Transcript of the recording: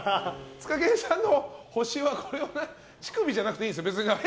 ツカケンさんの星は乳首じゃなくていいんですか？